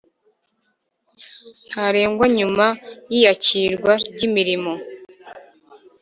Ntarengwa nyuma y iyakirwa ry imirimo